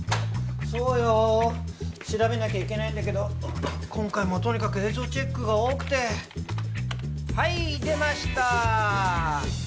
そうよ調べなきゃいけないんだけど今回もとにかく映像チェックが多くてはい出ました